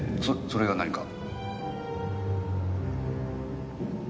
それが何か？